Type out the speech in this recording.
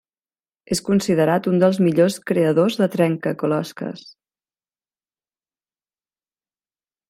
És considerat un dels millors creadors de trencaclosques.